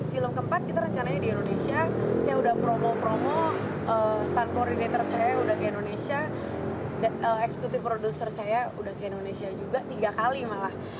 film keempat kita rencananya di indonesia saya udah promo promo start coordinator saya udah ke indonesia executive producer saya udah ke indonesia juga tiga kali malah